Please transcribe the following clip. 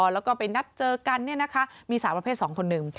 แล้วก็ไปนัดเจอกันมีสาวประเภท๒คนหนึ่ง